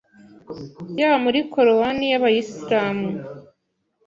yaba muri korowani y’abayisilamu